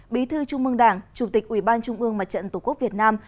bí thư trung mương đảng chủ tịch ủy ban trung ương mặt trận tổ quốc việt nam